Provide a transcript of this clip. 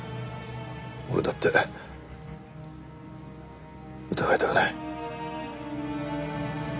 俺だって疑いたくない。